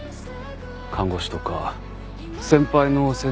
看護師とか先輩の先生とかに。